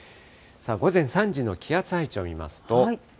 午前３時の気圧配置を見ますと。